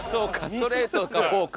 ストレートかフォーク。